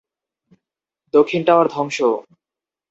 দক্ষিণ টাওয়ার ধ্বংস!